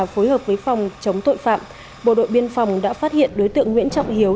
phối hợp với phòng chống tội phạm bộ đội biên phòng đã phát hiện đối tượng nguyễn trọng hiếu